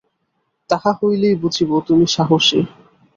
তাহা হইলেই বুঝিব, তুমি সাহসী।